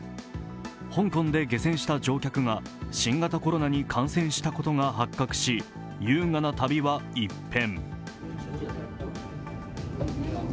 香港で下船した乗客が新型コロナに感染したことが発覚、優雅な旅は一変。